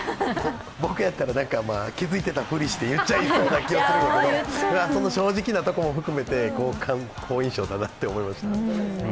僕やったら、気づいていたふりして言っちゃいそうな気がするんだけど、その正直なところも含めて好印象だなと思いました。